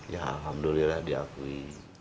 ya alhamdulillah diakui